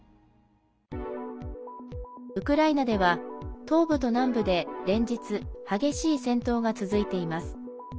ウクライナでは、東部と南部で連日、激しい戦闘が続いています。